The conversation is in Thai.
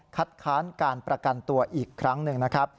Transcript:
ค้านการประกันตัวอีกครั้งหนึ่งนะครับ